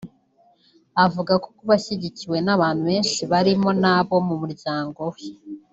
Avuga ku kuba ashyigikiwe n’abantu benshi barimo n’abo mu muryango we